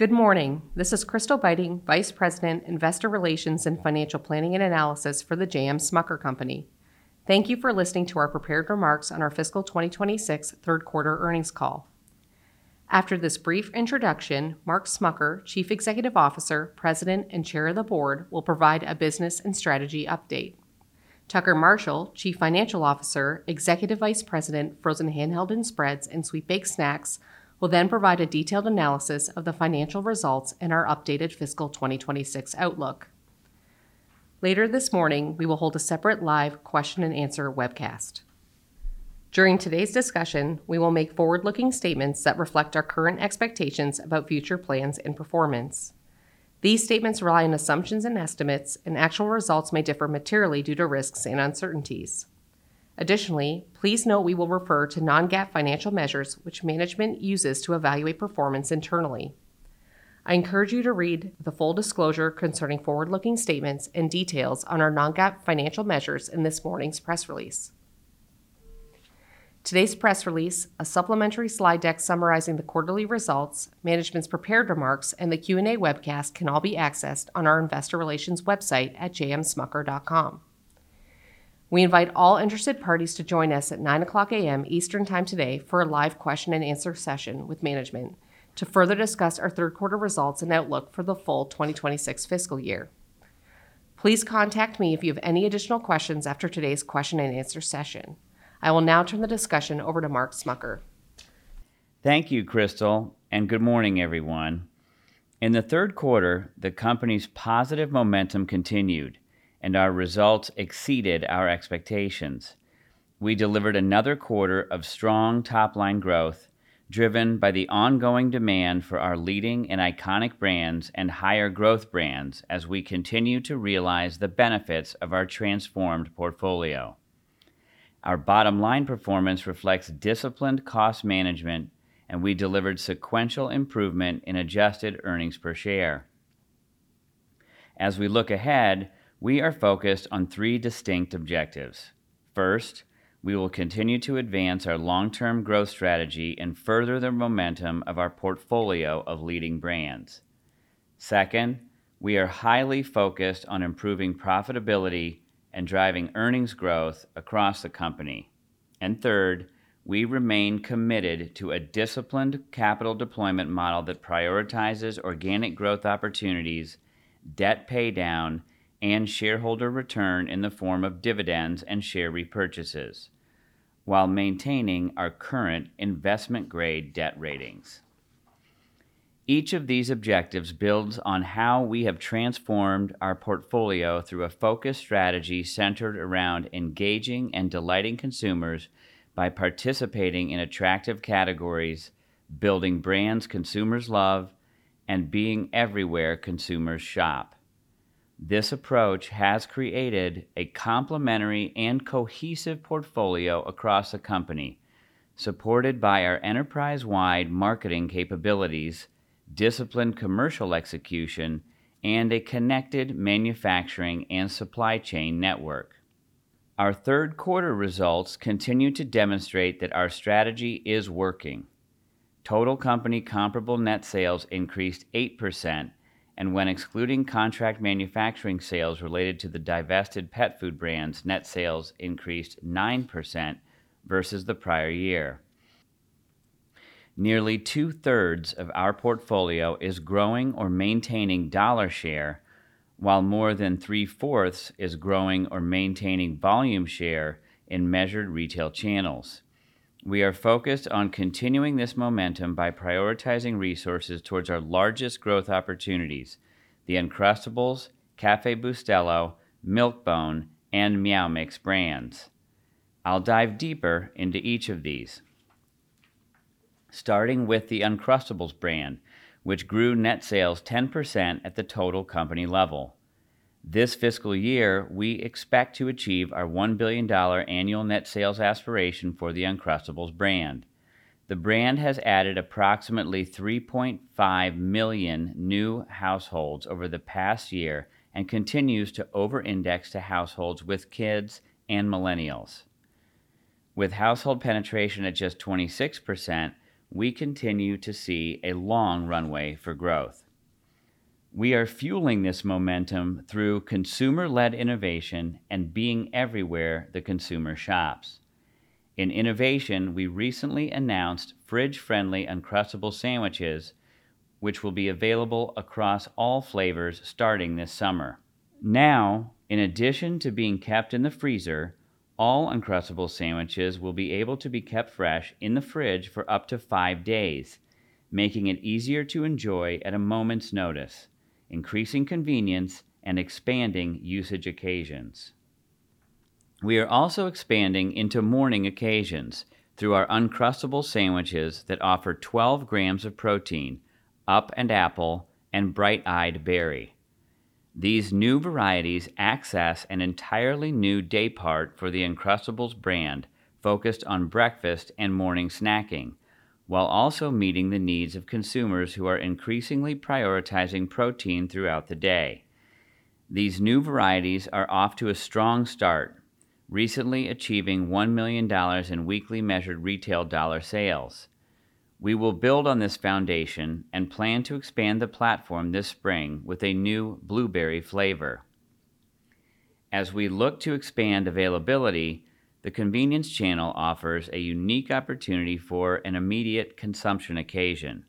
Good morning. This is Crystal Beiting, Vice President, Investor Relations and Financial Planning and Analysis for The J.M. Smucker Company. Thank you for listening to our prepared remarks on our fiscal 2026 third quarter earnings call. After this brief introduction, Mark Smucker, Chief Executive Officer, President, and Chair of the Board, will provide a business and strategy update. Tucker Marshall, Chief Financial Officer, Executive Vice President, Frozen Handheld and Spreads, and Sweet Baked Snacks, will then provide a detailed analysis of the financial results and our updated fiscal 2026 outlook. Later this morning, we will hold a separate live question-and-answer webcast. During today's discussion, we will make forward-looking statements that reflect our current expectations about future plans and performance. These statements rely on assumptions and estimates, and actual results may differ materially due to risks and uncertainties. Additionally, please note we will refer to non-GAAP financial measures, which management uses to evaluate performance internally. I encourage you to read the full disclosure concerning forward-looking statements and details on our non-GAAP financial measures in this morning's press release. Today's press release, a supplementary slide deck summarizing the quarterly results, management's prepared remarks, and the Q&A webcast can all be accessed on our investor relations website at jmsmucker.com. We invite all interested parties to join us at 9:00 A.M. Eastern Time today for a live question-and-answer session with management to further discuss our third quarter results and outlook for the full 2026 fiscal year. Please contact me if you have any additional questions after today's question-and-answer session. I will now turn the discussion over to Mark Smucker. Thank you, Crystal. Good morning, everyone. In the third quarter, the company's positive momentum continued. Our results exceeded our expectations. We delivered another quarter of strong top-line growth, driven by the ongoing demand for our leading and iconic brands and higher growth brands as we continue to realize the benefits of our transformed portfolio. Our bottom-line performance reflects disciplined cost management. We delivered sequential improvement in adjusted earnings per share. As we look ahead, we are focused on three distinct objectives. First, we will continue to advance our long-term growth strategy and further the momentum of our portfolio of leading brands. Second, we are highly focused on improving profitability and driving earnings growth across the company. Third, we remain committed to a disciplined capital deployment model that prioritizes organic growth opportunities, debt paydown, and shareholder return in the form of dividends and share repurchases while maintaining our current investment-grade debt ratings. Each of these objectives builds on how we have transformed our portfolio through a focused strategy centered around engaging and delighting consumers by participating in attractive categories, building brands consumers love, and being everywhere consumers shop. This approach has created a complementary and cohesive portfolio across the company, supported by our enterprise-wide marketing capabilities, disciplined commercial execution, and a connected manufacturing and supply chain network. Our third quarter results continue to demonstrate that our strategy is working. Total company comparable net sales increased 8%, and when excluding contract manufacturing sales related to the divested pet food brands, net sales increased 9% versus the prior year. Nearly two-thirds of our portfolio is growing or maintaining dollar share, while more than three-fourths is growing or maintaining volume share in measured retail channels. We are focused on continuing this momentum by prioritizing resources towards our largest growth opportunities, the Uncrustables, Café Bustelo, Milk-Bone, and Meow Mix brands. I'll dive deeper into each of these. Starting with the Uncrustables brand, which grew net sales 10% at the total company level. This fiscal year, we expect to achieve our $1 billion annual net sales aspiration for the Uncrustables brand. The brand has added approximately 3.5 million new households over the past year and continues to over-index to households with kids and Millennials. With household penetration at just 26%, we continue to see a long runway for growth. We are fueling this momentum through consumer-led innovation and being everywhere the consumer shops. In innovation, we recently announced fridge-friendly Uncrustables sandwiches, which will be available across all flavors starting this summer. Now, in addition to being kept in the freezer, all Uncrustables sandwiches will be able to be kept fresh in the fridge for up to 5 days, making it easier to enjoy at a moment's notice, increasing convenience and expanding usage occasions. We are also expanding into morning occasions through our Uncrustables sandwiches that offer 12 grams of protein, Up & Apple and Bright-Eyed Berry. These new varieties access an entirely new day part for the Uncrustables brand, focused on breakfast and morning snacking, while also meeting the needs of consumers who are increasingly prioritizing protein throughout the day. These new varieties are off to a strong start, recently achieving $1 million in weekly measured retail dollar sales. We will build on this foundation and plan to expand the platform this spring with a new blueberry flavor. As we look to expand availability, the convenience channel offers a unique opportunity for an immediate consumption occasion.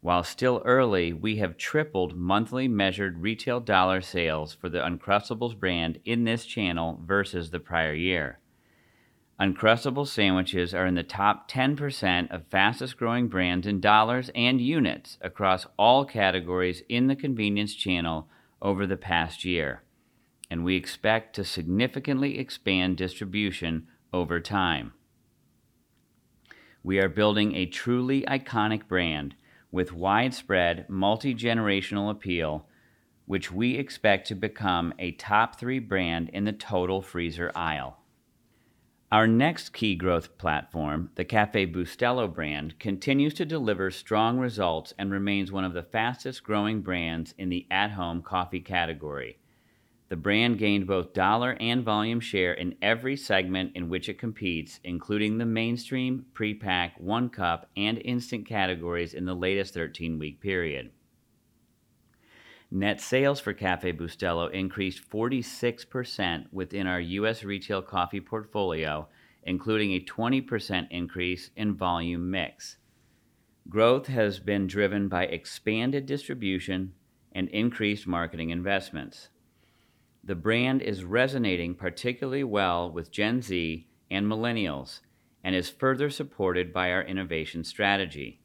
While still early, we have tripled monthly measured retail dollars sales for the Uncrustables brand in this channel versus the prior year. Uncrustables sandwiches are in the top 10% of fastest growing brands in dollars and units across all categories in the convenience channel over the past year. We expect to significantly expand distribution over time. We are building a truly iconic brand with widespread multi-generational appeal, which we expect to become a top three brand in the total freezer aisle. Our next key growth platform, the Café Bustelo brand, continues to deliver strong results and remains one of the fastest growing brands in the at-home coffee category. The brand gained both dollar and volume share in every segment in which it competes, including the mainstream, pre-pack, one cup, and instant categories in the latest 13-week period. Net sales for Café Bustelo increased 46% within our U.S. Retail Coffee portfolio, including a 20% increase in volume mix. Growth has been driven by expanded distribution and increased marketing investments. The brand is resonating particularly well with Gen Z and millennials and is further supported by our innovation strategy.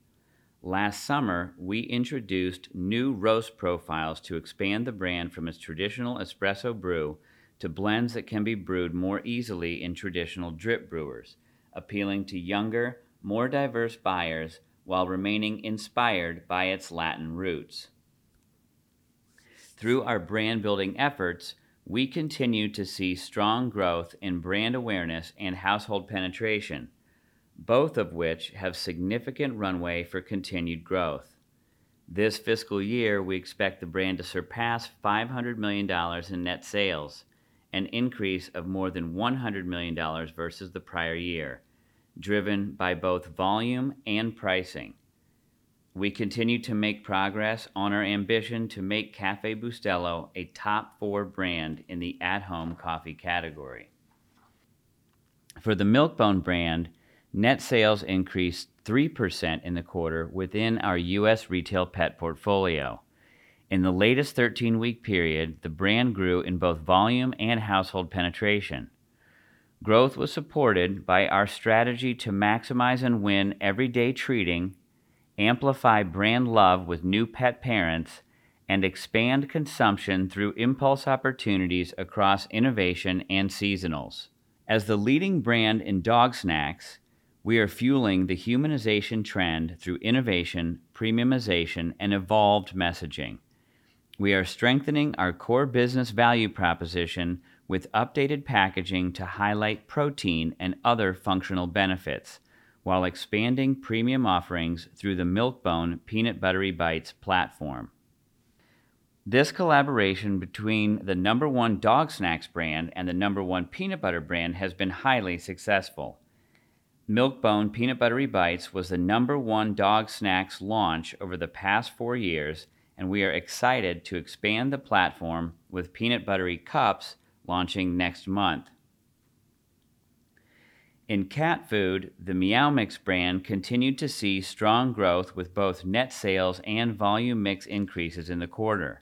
Last summer, we introduced new roast profiles to expand the brand from its traditional espresso brew to blends that can be brewed more easily in traditional drip brewers, appealing to younger, more diverse buyers while remaining inspired by its Latin roots. Through our brand-building efforts, we continue to see strong growth in brand awareness and household penetration, both of which have significant runway for continued growth. This fiscal year, we expect the brand to surpass $500 million in net sales, an increase of more than $100 million versus the prior year, driven by both volume and pricing. We continue to make progress on our ambition to make Café Bustelo a top four brand in the at-home coffee category. For the Milk-Bone brand, net sales increased 3% in the quarter within our U.S. retail pet portfolio. In the latest 13-week period, the brand grew in both volume and household penetration. Growth was supported by our strategy to maximize and win everyday treating, amplify brand love with new pet parents, and expand consumption through impulse opportunities across innovation and seasonals. As the leading brand in dog snacks, we are fueling the humanization trend through innovation, premiumization, and evolved messaging. We are strengthening our core business value proposition with updated packaging to highlight protein and other functional benefits while expanding premium offerings through the Milk-Bone Peanut Buttery Bites platform. This collaboration between the number one dog snacks brand and the number one peanut butter brand has been highly successful. Milk-Bone Peanut Buttery Bites was the number one dog snacks launch over the past four years, and we are excited to expand the platform with Peanut Buttery Cups launching next month. In cat food, the Meow Mix brand continued to see strong growth with both net sales and volume mix increases in the quarter.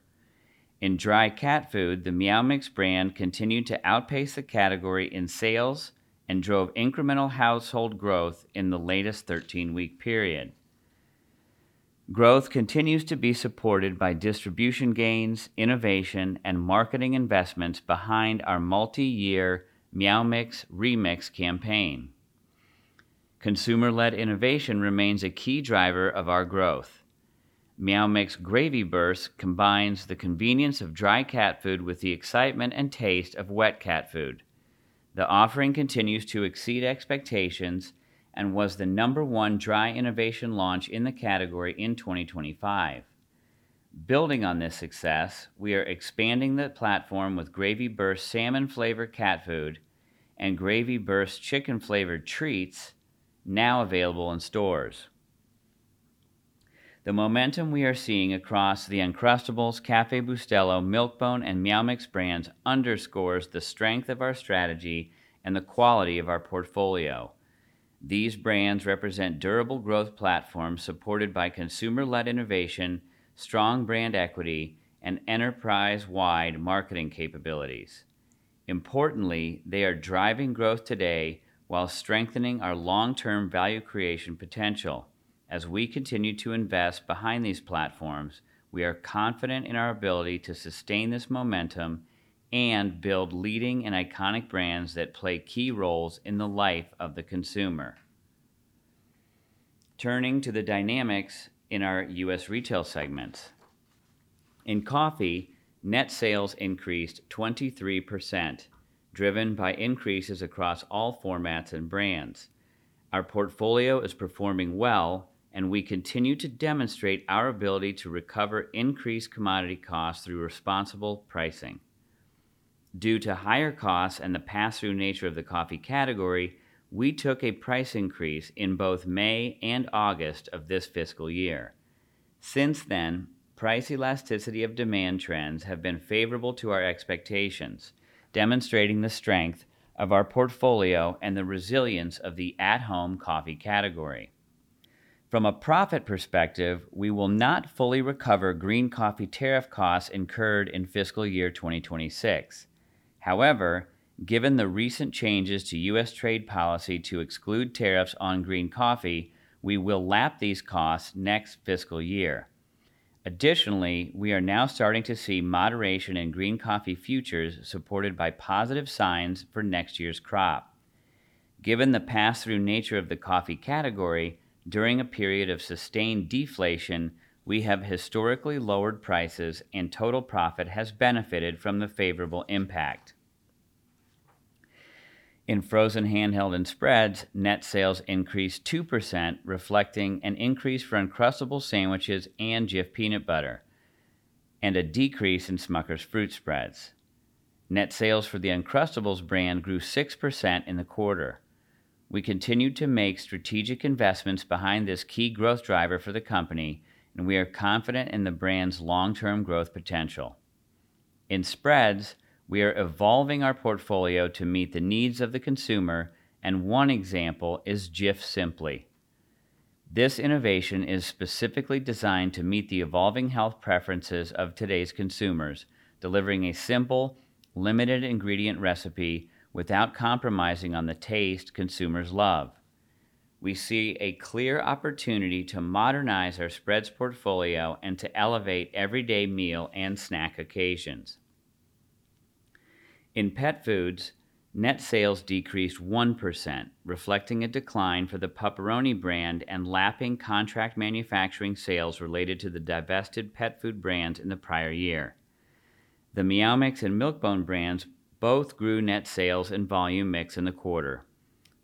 In dry cat food, the Meow Mix brand continued to outpace the category in sales and drove incremental household growth in the latest 13-week period. Growth continues to be supported by distribution gains, innovation, and marketing investments behind our multi-year Meow Mix Remix campaign. Consumer-led innovation remains a key driver of our growth. Meow Mix Gravy Bursts combines the convenience of dry cat food with the excitement and taste of wet cat food. The offering continues to exceed expectations and was the number one dry innovation launch in the category in 2025. Building on this success, we are expanding the platform with Gravy Bursts Salmon Flavored cat food and Gravy Bursts Chicken Flavored treats now available in stores. The momentum we are seeing across the Uncrustables, Café Bustelo, Milk-Bone, and Meow Mix brands underscores the strength of our strategy and the quality of our portfolio. These brands represent durable growth platforms supported by consumer-led innovation, strong brand equity, and enterprise-wide marketing capabilities. Importantly, they are driving growth today while strengthening our long-term value creation potential. As we continue to invest behind these platforms, we are confident in our ability to sustain this momentum and build leading and iconic brands that play key roles in the life of the consumer. Turning to the dynamics in our U.S. retail segments. In U.S. Retail Coffee, net sales increased 23%, driven by increases across all formats and brands.... Our portfolio is performing well, and we continue to demonstrate our ability to recover increased commodity costs through responsible pricing. Due to higher costs and the pass-through nature of the coffee category, we took a price increase in both May and August of this fiscal year. Since then, price elasticity of demand trends have been favorable to our expectations, demonstrating the strength of our portfolio and the resilience of the at-home coffee category. From a profit perspective, we will not fully recover green coffee tariff costs incurred in fiscal year 2026. Given the recent changes to U.S. trade policy to exclude tariffs on green coffee, we will lap these costs next fiscal year. Additionally, we are now starting to see moderation in green coffee futures, supported by positive signs for next year's crop. Given the pass-through nature of the coffee category, during a period of sustained deflation, we have historically lowered prices, and total profit has benefited from the favorable impact. In Frozen Handheld and Spreads, net sales increased 2%, reflecting an increase for Uncrustables sandwiches and Jif peanut butter, and a decrease in Smucker's fruit spreads. Net sales for the Uncrustables brand grew 6% in the quarter. We continued to make strategic investments behind this key growth driver for the company, and we are confident in the brand's long-term growth potential. In spreads, we are evolving our portfolio to meet the needs of the consumer, and one example is Jif Simply. This innovation is specifically designed to meet the evolving health preferences of today's consumers, delivering a simple, limited ingredient recipe without compromising on the taste consumers love. We see a clear opportunity to modernize our spreads portfolio and to elevate everyday meal and snack occasions. In pet foods, net sales decreased 1%, reflecting a decline for the Pup-Peroni brand and lapping contract manufacturing sales related to the divested pet food brands in the prior year. The Meow Mix and Milk-Bone brands both grew net sales and volume mix in the quarter.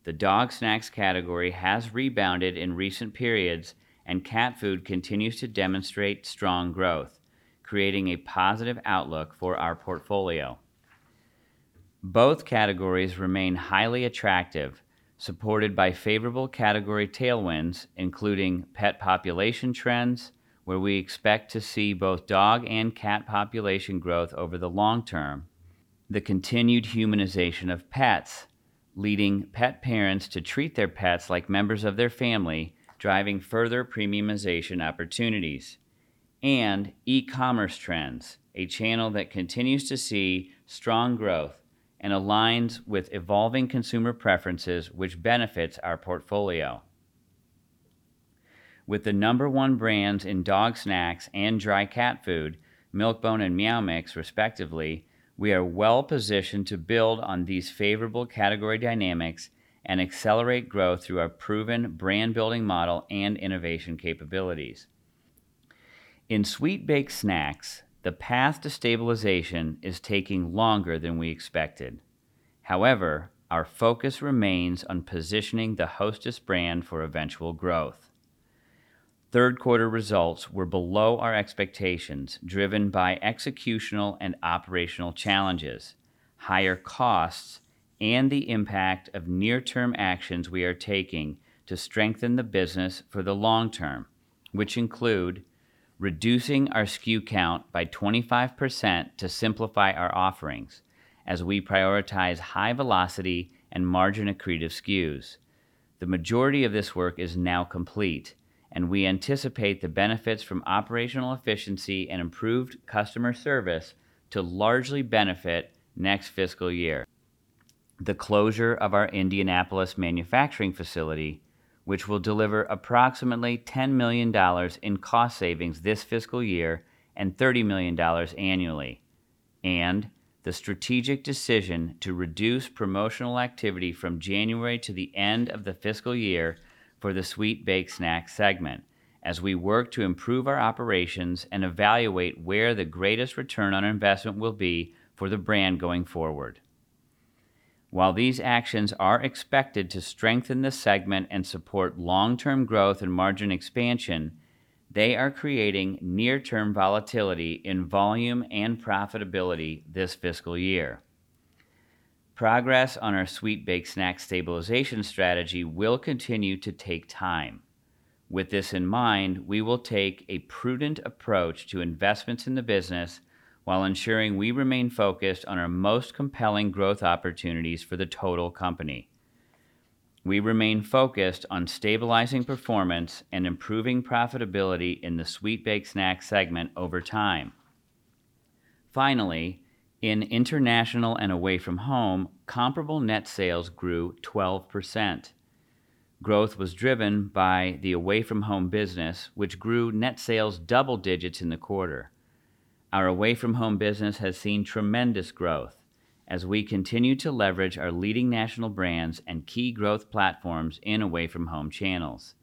The dog snacks category has rebounded in recent periods, and cat food continues to demonstrate strong growth, creating a positive outlook for our portfolio. Both categories remain highly attractive, supported by favorable category tailwinds, including pet population trends, where we expect to see both dog and cat population growth over the long term. The continued humanization of pets, leading pet parents to treat their pets like members of their family, driving further premiumization opportunities. E-commerce trends, a channel that continues to see strong growth and aligns with evolving consumer preferences, which benefits our portfolio. With the number one brands in dog snacks and dry cat food, Milk-Bone and Meow Mix, respectively, we are well positioned to build on these favorable category dynamics and accelerate growth through our proven brand-building model and innovation capabilities. In Sweet Baked Snacks, the path to stabilization is taking longer than we expected. However, our focus remains on positioning the Hostess brand for eventual growth. Third quarter results were below our expectations, driven by executional and operational challenges, higher costs, and the impact of near-term actions we are taking to strengthen the business for the long term, which include reducing our SKU count by 25% to simplify our offerings as we prioritize high velocity and margin-accretive SKUs. The majority of this work is now complete. We anticipate the benefits from operational efficiency and improved customer service to largely benefit next fiscal year. The closure of our Indianapolis manufacturing facility, which will deliver approximately $10 million in cost savings this fiscal year and $30 million annually, and the strategic decision to reduce promotional activity from January to the end of the fiscal year for the Sweet Baked Snacks segment, as we work to improve our operations and evaluate where the greatest return on investment will be for the brand going forward. While these actions are expected to strengthen the segment and support long-term growth and margin expansion, they are creating near-term volatility in volume and profitability this fiscal year. Progress on our Sweet Baked Snacks stabilization strategy will continue to take time. With this in mind, we will take a prudent approach to investments in the business while ensuring we remain focused on our most compelling growth opportunities for the total company. We remain focused on stabilizing performance and improving profitability in the Sweet Baked Snacks segment over time. Finally, in International and Away From Home, comparable net sales grew 12%. Growth was driven by the Away From Home Business, which grew net sales double digits in the quarter. Our Away From Home Business has seen tremendous growth as we continue to leverage our leading national brands and key growth platforms in away-from-home channels.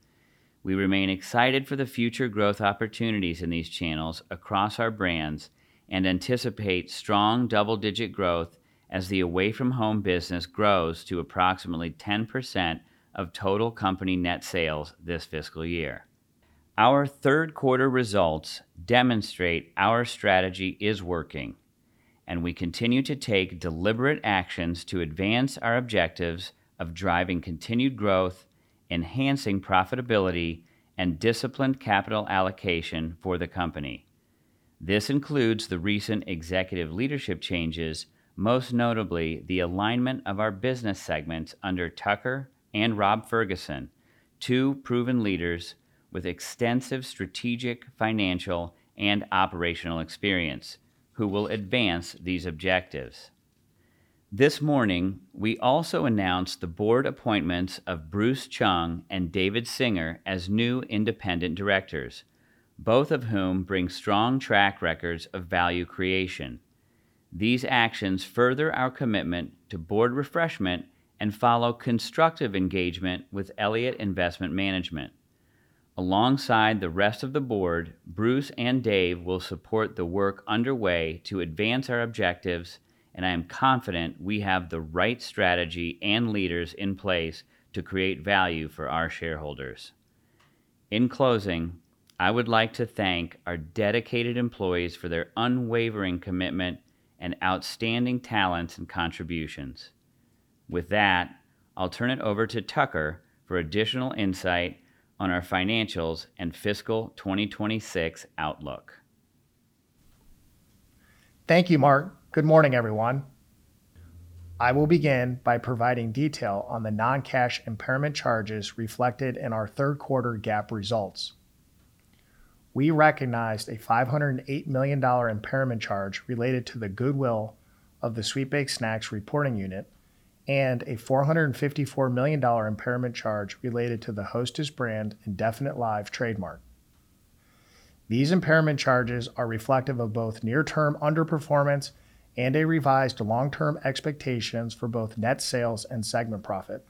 We remain excited for the future growth opportunities in these channels across our brands and anticipate strong double-digit growth as the Away From Home business grows to approximately 10% of total company net sales this fiscal year. Our third quarter results demonstrate our strategy is working, and we continue to take deliberate actions to advance our objectives of driving continued growth, enhancing profitability, and disciplined capital allocation for the company. This includes the recent executive leadership changes, most notably the alignment of our business segments under Tucker and Rob Ferguson, two proven leaders with extensive strategic, financial, and operational experience, who will advance these objectives. This morning, we also announced the board appointments of Bruce Chung and David Singer as new independent directors, both of whom bring strong track records of value creation. These actions further our commitment to board refreshment and follow constructive engagement with Elliott Investment Management. Alongside the rest of the board, Bruce and Dave will support the work underway to advance our objectives. I am confident we have the right strategy and leaders in place to create value for our shareholders. In closing, I would like to thank our dedicated employees for their unwavering commitment and outstanding talents and contributions. With that, I'll turn it over to Tucker for additional insight on our financials and fiscal 2026 outlook. Thank you, Mark. Good morning, everyone. I will begin by providing detail on the non-cash impairment charges reflected in our third quarter GAAP results. We recognized a $508 million impairment charge related to the goodwill of the Sweet Baked Snacks reporting unit and a $454 million impairment charge related to the Hostess brand indefinite live trademark. These impairment charges are reflective of both near-term underperformance and a revised long-term expectations for both net sales and segment profit.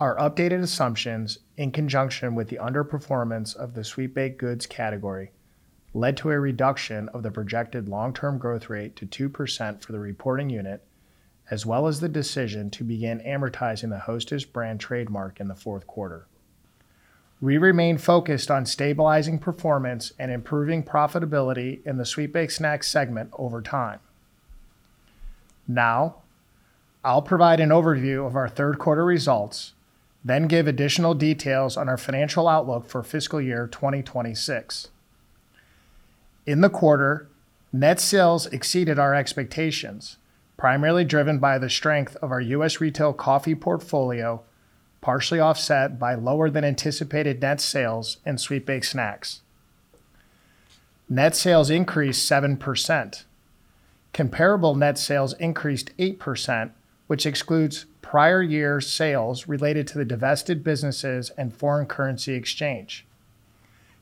Our updated assumptions, in conjunction with the underperformance of the sweet baked goods category, led to a reduction of the projected long-term growth rate to 2% for the reporting unit, as well as the decision to begin amortizing the Hostess brand trademark in the fourth quarter. We remain focused on stabilizing performance and improving profitability in the Sweet Baked Snacks segment over time. Now, I'll provide an overview of our third quarter results, then give additional details on our financial outlook for fiscal year 2026. In the quarter, net sales exceeded our expectations, primarily driven by the strength of our U.S. Retail Coffee portfolio, partially offset by lower than anticipated net sales and Sweet Baked Snacks. Net sales increased 7%. Comparable net sales increased 8%, which excludes prior year sales related to the divested businesses and foreign currency exchange.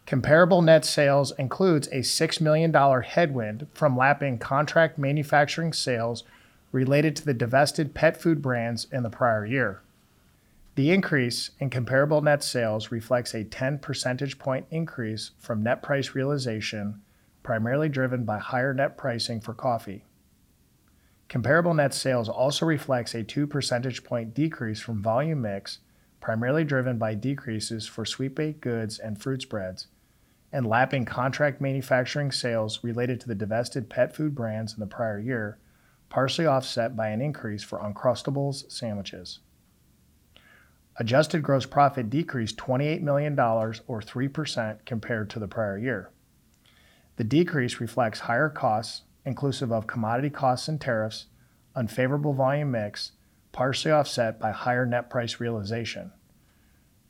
Comparable net sales includes a $6 million headwind from lapping contract manufacturing sales related to the divested pet food brands in the prior year. The increase in comparable net sales reflects a 10 percentage point increase from net price realization, primarily driven by higher net pricing for coffee. Comparable net sales also reflects a 2 percentage point decrease from volume mix, primarily driven by decreases for sweet baked goods and fruit spreads and lapping contract manufacturing sales related to the divested pet food brands in the prior year, partially offset by an increase for Uncrustables sandwiches. Adjusted gross profit decreased $28 million or 3% compared to the prior year. The decrease reflects higher costs, inclusive of commodity costs and tariffs, unfavorable volume mix, partially offset by higher net price realization.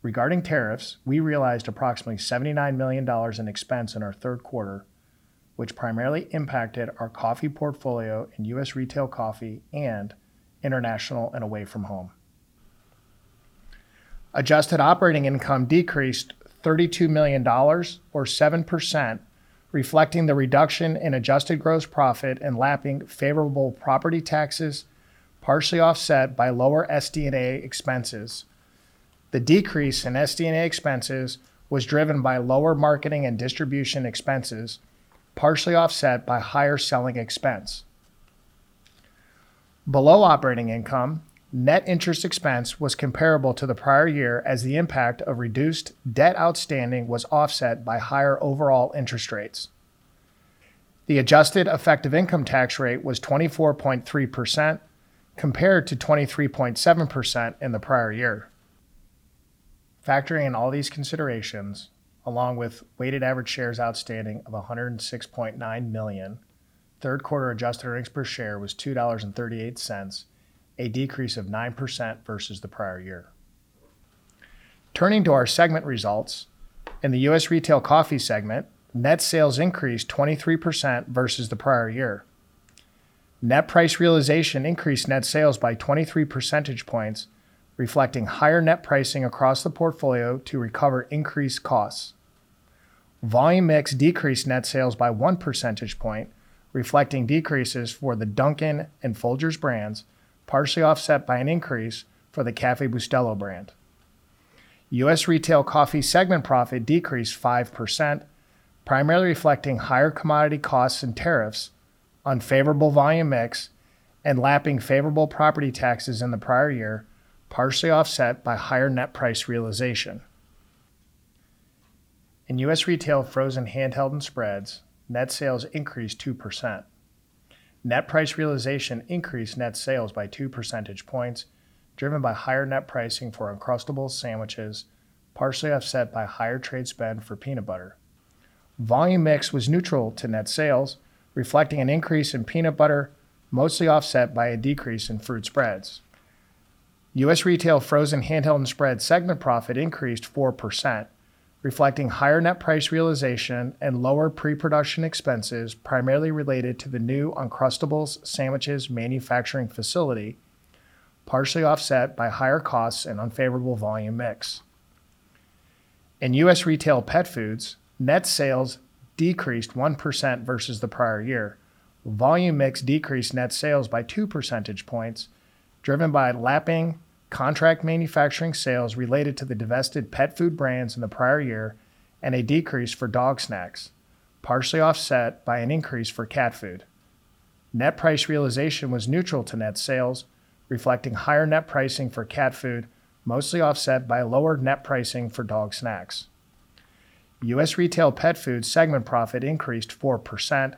Regarding tariffs, we realized approximately $79 million in expense in our third quarter, which primarily impacted our coffee portfolio in U.S. Retail Coffee and International and Away From Home. Adjusted operating income decreased $32 million or 7%, reflecting the reduction in adjusted gross profit and lapping favorable property taxes, partially offset by lower SD&A expenses. The decrease in SD&A expenses was driven by lower marketing and distribution expenses, partially offset by higher selling expense. Below operating income, net interest expense was comparable to the prior year as the impact of reduced debt outstanding was offset by higher overall interest rates. The adjusted effective income tax rate was 24.3%, compared to 23.7% in the prior year. Factoring in all these considerations, along with weighted average shares outstanding of 106.9 million, third quarter adjusted earnings per share was $2.38, a decrease of 9% versus the prior year. Turning to our segment results, in the U.S. Retail Coffee segment, net sales increased 23% versus the prior year. Net price realization increased net sales by 23 percentage points, reflecting higher net pricing across the portfolio to recover increased costs. Volume mix decreased net sales by 1 percentage point, reflecting decreases for the Dunkin' and Folgers brands, partially offset by an increase for the Café Bustelo brand. U.S. Retail Coffee segment profit decreased 5%, primarily reflecting higher commodity costs and tariffs, unfavorable volume mix, and lapping favorable property taxes in the prior year, partially offset by higher net price realization. In U.S. Retail Frozen Handheld and Spreads, net sales increased 2%. Net price realization increased net sales by 2 percentage points, driven by higher net pricing for Uncrustables sandwiches, partially offset by higher trade spend for peanut butter. Volume mix was neutral to net sales, reflecting an increase in peanut butter, mostly offset by a decrease in fruit spreads. U.S. Retail Frozen Handheld and Spreads segment profit increased 4%, reflecting higher net price realization and lower pre-production expenses, primarily related to the new Uncrustables sandwiches manufacturing facility, partially offset by higher costs and unfavorable volume mix. In U.S. Retail Pet Foods, net sales decreased 1% versus the prior year. Volume mix decreased net sales by 2 percentage points, driven by lapping contract manufacturing sales related to the divested pet food brands in the prior year, and a decrease for dog snacks, partially offset by an increase for cat food. Net price realization was neutral to net sales, reflecting higher net pricing for cat food, mostly offset by lower net pricing for dog snacks. U.S. Retail Pet Foods segment profit increased 4%,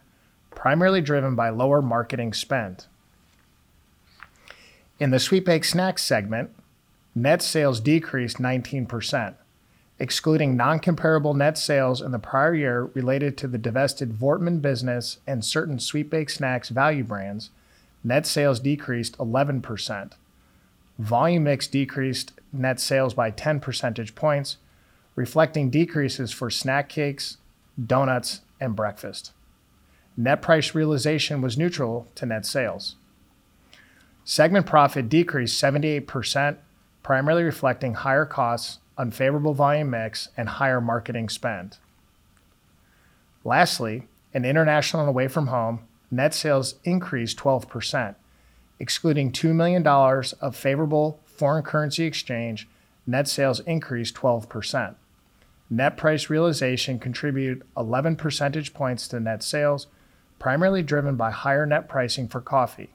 primarily driven by lower marketing spend. In the Sweet Baked Snacks segment, net sales decreased 19%, excluding non-comparable net sales in the prior year related to the divested Voortman business and certain Sweet Baked Snacks value brands, net sales decreased 11%. Volume mix decreased net sales by 10 percentage points, reflecting decreases for snack cakes, donuts, and breakfast. Net price realization was neutral to net sales. Segment profit decreased 78%, primarily reflecting higher costs, unfavorable volume mix, and higher marketing spend. In International and Away From Home, net sales increased 12%. Excluding $2 million of favorable foreign currency exchange, net sales increased 12%. Net price realization contributed 11 percentage points to net sales, primarily driven by higher net pricing for coffee.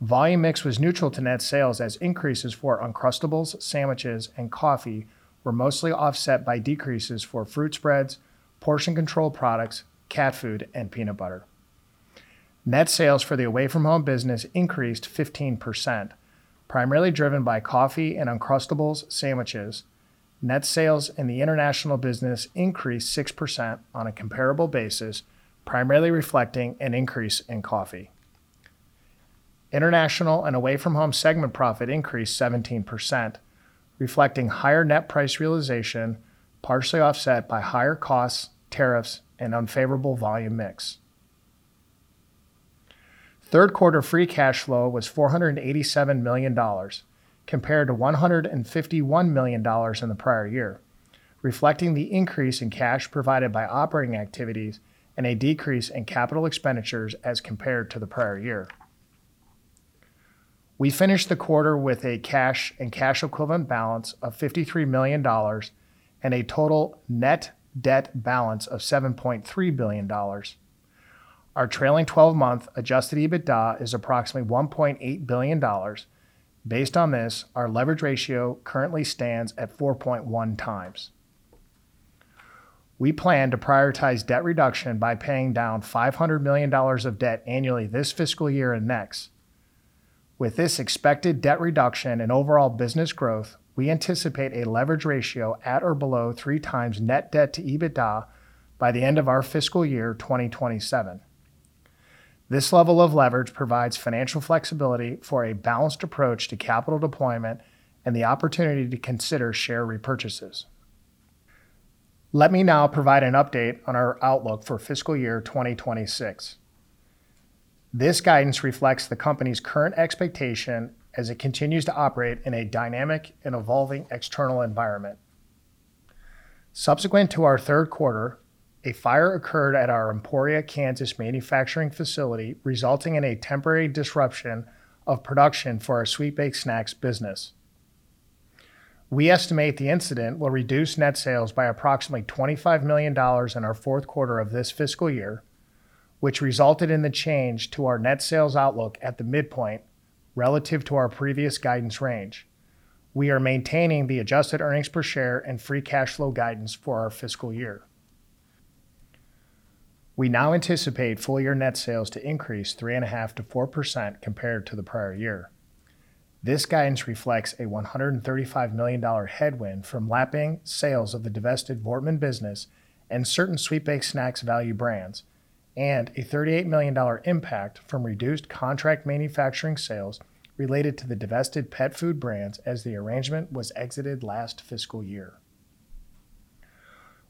Volume mix was neutral to net sales, as increases for Uncrustables sandwiches and coffee were mostly offset by decreases for fruit spreads, portion control products, cat food, and peanut butter. Net sales for the Away From Home business increased 15%, primarily driven by coffee and Uncrustables sandwiches. Net sales in the international business increased 6% on a comparable basis, primarily reflecting an increase in coffee. International and Away From Home segment profit increased 17%, reflecting higher net price realization, partially offset by higher costs, tariffs, and unfavorable volume mix. Third quarter free cash flow was $487 million, compared to $151 million in the prior year, reflecting the increase in cash provided by operating activities and a decrease in capital expenditures as compared to the prior year. We finished the quarter with a cash and cash equivalent balance of $53 million and a total net debt balance of $7.3 billion. Our trailing twelve-month adjusted EBITDA is approximately $1.8 billion. Based on this, our leverage ratio currently stands at 4.1 times. We plan to prioritize debt reduction by paying down $500 million of debt annually this fiscal year and next. With this expected debt reduction and overall business growth, we anticipate a leverage ratio at or below three times net debt to EBITDA by the end of our fiscal year 2027. Let me now provide an update on our outlook for fiscal year 2026. This guidance reflects the company's current expectation as it continues to operate in a dynamic and evolving external environment. Subsequent to our third quarter, a fire occurred at our Emporia, Kansas, manufacturing facility, resulting in a temporary disruption of production for our Sweet Baked Snacks business. We estimate the incident will reduce net sales by approximately $25 million in our fourth quarter of this fiscal year, which resulted in the change to our net sales outlook at the midpoint relative to our previous guidance range. We are maintaining the adjusted earnings per share and free cash flow guidance for our fiscal year. We now anticipate full-year net sales to increase 3.5%-4% compared to the prior year. This guidance reflects a $135 million headwind from lapping sales of the divested Voortman business and certain Sweet Baked Snacks value brands, and a $38 million impact from reduced contract manufacturing sales related to the divested pet food brands as the arrangement was exited last fiscal year.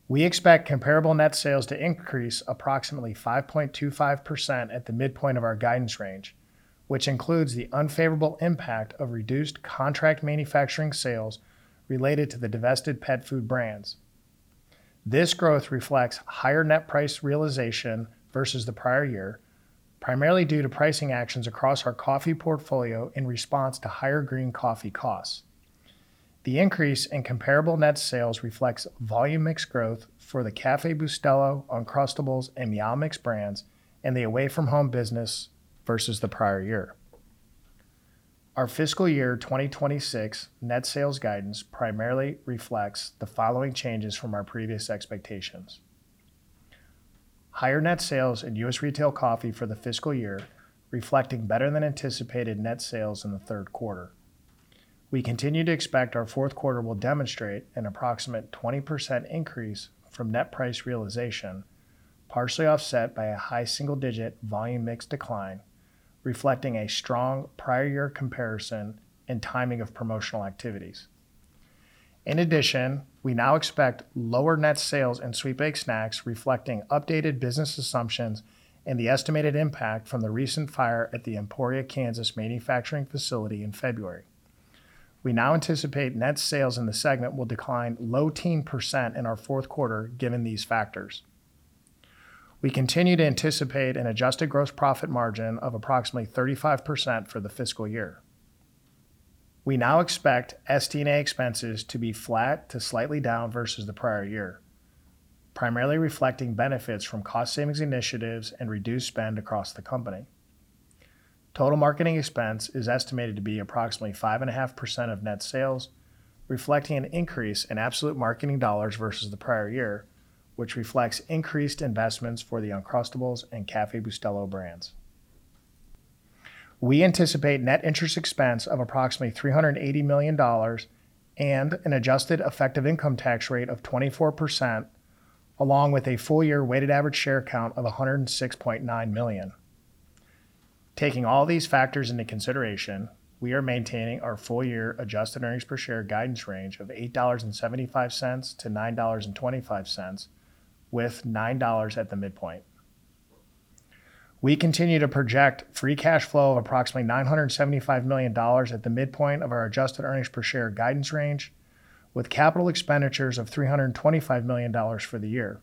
We expect comparable net sales to increase approximately 5.25% at the midpoint of our guidance range, which includes the unfavorable impact of reduced contract manufacturing sales related to the divested pet food brands. This growth reflects higher net price realization versus the prior year, primarily due to pricing actions across our coffee portfolio in response to higher green coffee costs. The increase in comparable net sales reflects volume mix growth for the Café Bustelo, Uncrustables, and [Yummy brands], and the Away From Home business versus the prior year. Our fiscal year 2026 net sales guidance primarily reflects the following changes from our previous expectations. Higher net sales in U.S. Retail Coffee for the fiscal year, reflecting better than anticipated net sales in the third quarter. We continue to expect our fourth quarter will demonstrate an approximate 20% increase from net price realization, partially offset by a high single-digit volume mix decline, reflecting a strong prior year comparison and timing of promotional activities. We now expect lower net sales and Sweet Baked Snacks, reflecting updated business assumptions and the estimated impact from the recent fire at the Emporia, Kansas, manufacturing facility in February. We now anticipate net sales in the segment will decline low-teen percent in our fourth quarter, given these factors. We continue to anticipate an adjusted gross profit margin of approximately 35% for the fiscal year. We now expect SD&A expenses to be flat to slightly down versus the prior year, primarily reflecting benefits from cost savings initiatives and reduced spend across the company. Total marketing expense is estimated to be approximately 5.5% of net sales, reflecting an increase in absolute marketing dollars versus the prior year, which reflects increased investments for the Uncrustables and Café Bustelo brands. We anticipate net interest expense of approximately $380 million and an adjusted effective income tax rate of 24%, along with a full-year weighted average share count of 106.9 million. Taking all these factors into consideration, we are maintaining our full-year adjusted earnings per share guidance range of $8.75-$9.25, with $9.00 at the midpoint. We continue to project free cash flow of approximately $975 million at the midpoint of our adjusted earnings per share guidance range, with capital expenditures of $325 million for the year.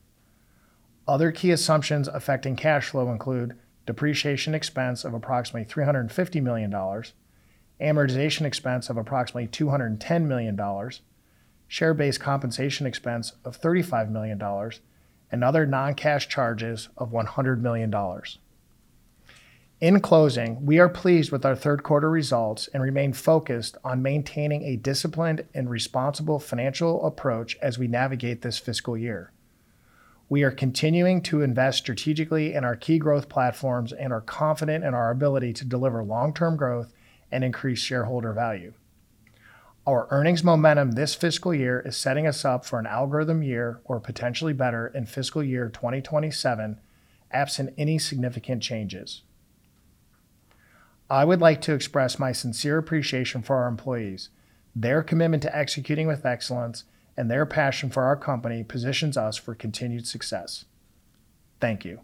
Other key assumptions affecting cash flow include depreciation expense of approximately $350 million, amortization expense of approximately $210 million, share-based compensation expense of $35 million, and other non-cash charges of $100 million. In closing, we are pleased with our third quarter results and remain focused on maintaining a disciplined and responsible financial approach as we navigate this fiscal year. We are continuing to invest strategically in our key growth platforms and are confident in our ability to deliver long-term growth and increase shareholder value. Our earnings momentum this fiscal year is setting us up for an algorithm year or potentially better in fiscal year 2027, absent any significant changes. I would like to express my sincere appreciation for our employees. Their commitment to executing with excellence and their passion for our company positions us for continued success. Thank you.